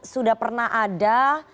sudah pernah ada